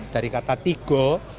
dari kata tigo